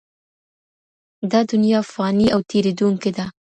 دا دنیا فاني او تېرېدونکې ده.